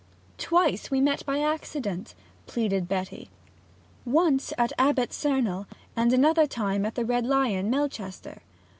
'Twice we met by accident,' pleaded Betty. 'Once at Abbot's Cernel, and another time at the Red Lion, Melchester.'